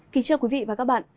kính chào quý vị và các bạn